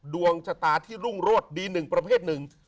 ดวงชะตาที่รุ่งรวดดีหนึ่งประเภทหนึ่ง